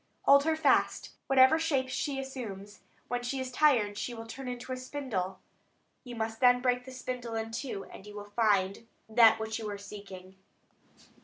Hold her fast, whatever shapes she assumes; when she is tired she will turn into a spindle; you must then break the spindle in two, and you will find that which you are seeking."